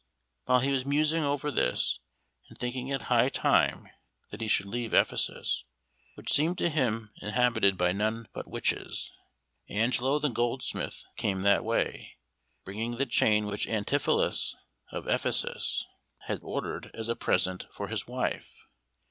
While he was musing over this, and thinking it high time that he should leave Ephesus, which seemed to him inhabited by none but witches, Angelo the goldsmith came that way, bringing the chain which Antipholus of Ephesus had ordered as a present for his wife.